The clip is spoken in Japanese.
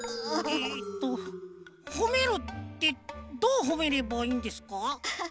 えっとほめるってどうほめればいいんですか？